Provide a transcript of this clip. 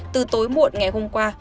từ tối muộn ngày hôm qua